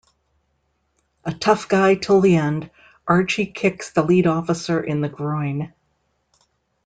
A tough guy till the end, Archie kicks the lead officer in the groin.